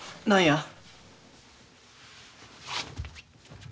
何や？